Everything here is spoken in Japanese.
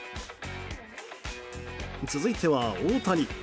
続いては、大谷。